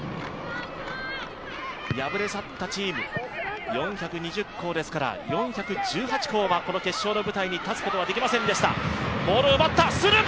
敗れ去ったチーム４２０校ですから４１８校はこの決勝の舞台に立つことができました。